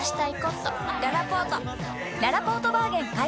ららぽーとバーゲン開催！